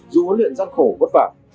dù huấn luyện gian khổ vất vả